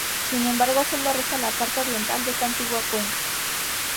Sin embargo, solo resta la parte oriental de esta antigua cuenca.